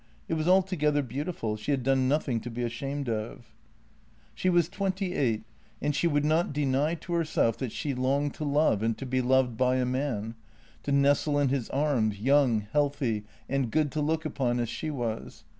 It was altogether beautiful; she had done nothing to be ashamed of. JENNY 87 She was twenty eight, and she would not deny to herself that she longed to love and to be loved by a man, to nestle in his arms, young, healthy, and good to look upon as she was.